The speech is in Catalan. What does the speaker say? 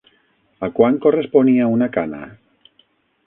A quan corresponia una cana?